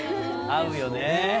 合うよね。